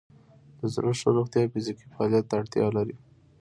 د زړه ښه روغتیا فزیکي فعالیت ته اړتیا لري.